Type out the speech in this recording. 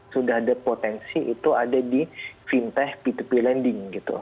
sudah ada potensi itu ada di fintech p dua p lending gitu